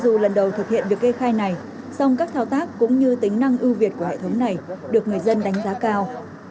dù lần đầu thực hiện việc kê khai này song các thao tác cũng như tính năng ưu việt của hệ thống này được người dân đánh giá cao